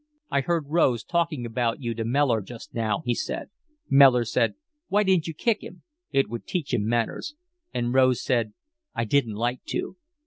"I heard Rose talking about you to Mellor just now," he said. "Mellor said: Why didn't you kick him? It would teach him manners. And Rose said: I didn't like to.